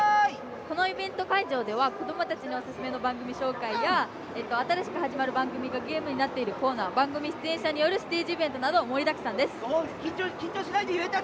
このイベント会場では子どもたちへのオススメ番組の紹介や新しく始まる番組がゲームになっているコーナー番組出演者によるステージイベントなど盛りだくさんです。